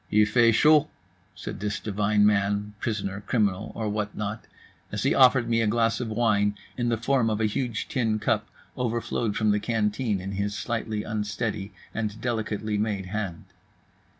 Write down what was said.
"Il fait chaud," said this divine man, prisoner, criminal, or what not, as he offered me a glass of wine in the form of a huge tin cup overflowed from the canteen in his slightly unsteady and delicately made hand.